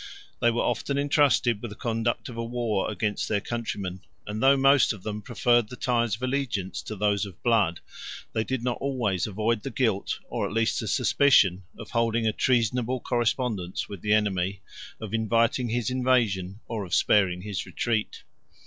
They were often intrusted with the conduct of a war against their countrymen; and though most of them preferred the ties of allegiance to those of blood, they did not always avoid the guilt, or at least the suspicion, of holding a treasonable correspondence with the enemy, of inviting his invasion, or of sparing his retreat.